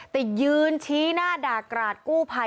แต่ยืนชี้หน้าด่ากราดกู้ภัย